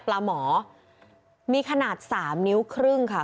ปลาหมอมีขนาด๓นิ้วครึ่งค่ะ